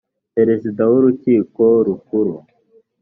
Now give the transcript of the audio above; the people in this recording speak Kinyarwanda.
perezida w urukiko rukuru